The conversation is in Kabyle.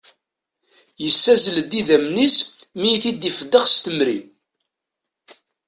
Yessazzel-d idammen-is mi i t-ifeddex s temri.